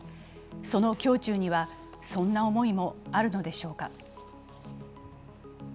その胸中にはそんな思いもあるのでしょうか。